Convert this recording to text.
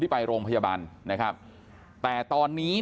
พี่สาวของเธอบอกว่ามันเกิดอะไรขึ้นกับพี่สาวของเธอ